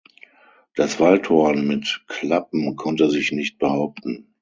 Das Waldhorn mit Klappen konnte sich nicht behaupten.